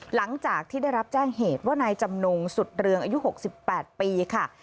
หลังจากที่ได้รับแจ้งเหตุว่านายจำนงสุดเรืองอายุ๖๘ปีค่ะ